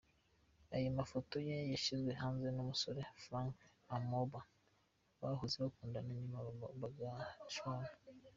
Ayo mafoto ye yashyizwe hanze n’umusore Franklin Emuobor bahoze bakundana nyuma bagashwana.